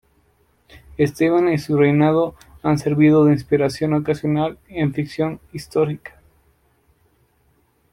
Esteban y su reinado han servido de inspiración ocasional en la ficción histórica.